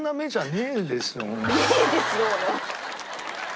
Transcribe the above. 「ねえですよ」。